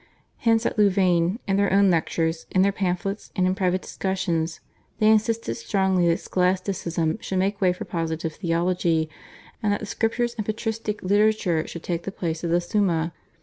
Hence at Louvain, in their own lectures, in their pamphlets, and in private discussions, they insisted strongly that Scholasticism should make way for positive theology, and that the Scriptures and patristic literature should take the place of the /Summa